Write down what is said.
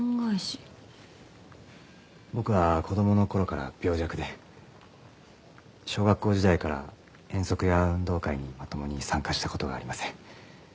僕は子供の頃から病弱で小学校時代から遠足や運動会にまともに参加した事がありません。